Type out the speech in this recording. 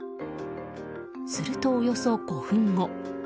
すると、およそ５分後。